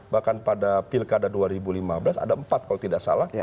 bahkan pada pilkada dua ribu lima belas ada empat kalau tidak salah